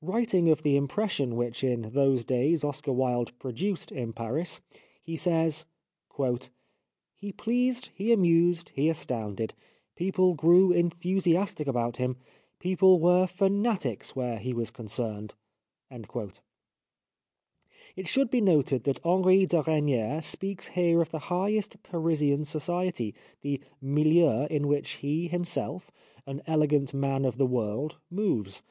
Writing of the impression which in those days Oscar Wilde produced in Paris he says :—" He pleased, he amused, he astounded. People grew enthusiastic about him ; people were fanatics where he was concerned." It should be noted that Henri de Regnier speaks here of the highest Parisian society, the milieu in which he himself, an elegant man of the world, moves.